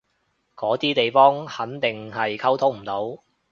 嗰啲地方肯定係溝通唔到